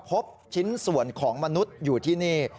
พบชิ้นส่วนของมนุษย์อยู่ที่นี่